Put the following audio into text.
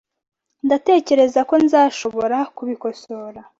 Ndatekereza ko nzashobora kubikosora .